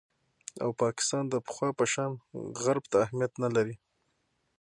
او پاکستان د پخوا په شان غرب ته اهمیت نه لري